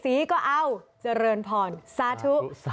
สีก็เอาเจฬญพรศาสุ